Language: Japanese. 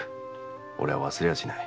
俺は忘れはしない。